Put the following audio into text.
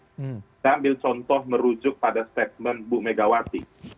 saya ambil contoh merujuk pada statement ibu megawati